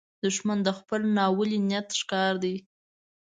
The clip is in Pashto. دښمن د خپل ناولي نیت ښکار دی